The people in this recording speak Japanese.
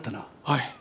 はい。